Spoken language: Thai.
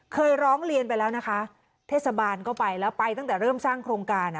เคยร้องเรียนไปแล้วนะคะเทศบาลก็ไปแล้วไปตั้งแต่เริ่มสร้างโครงการ